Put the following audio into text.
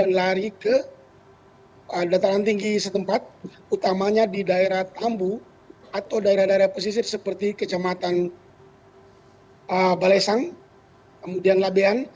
kemudian lari ke dataran tinggi setempat utamanya di daerah tambu atau daerah daerah pesisir seperti kecamatan balesang kemudian labean